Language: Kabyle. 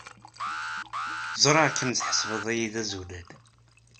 Ẓriɣ kemm tḥesbeḍ-iyi d azulal.